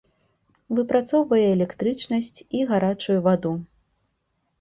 Выпрацоўвае электрычнасць і гарачую ваду.